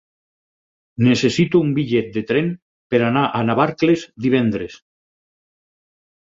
Necessito un bitllet de tren per anar a Navarcles divendres.